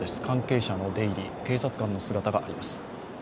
関係者の出入り警察官の姿があります。